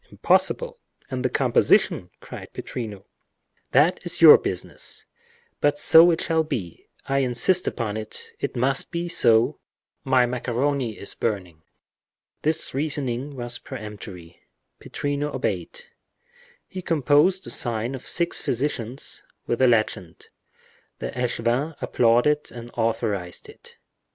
impossible! And the composition?" cried Pittrino. "That is your business—but so it shall be—I insist upon it—it must be so—my macaroni is burning." This reasoning was peremptory—Pittrino obeyed. He composed the sign of six physicians, with the legend; the echevin applauded and authorized it.